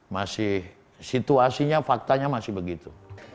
masih situasinya faktanya masih begitu